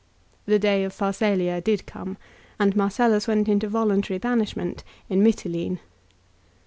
The day of Pharsalia did come, and Marcellus went into voluntary banishment in Mitylene.